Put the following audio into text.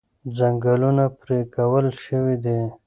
ځنګلونه پرې کړل شوي دي.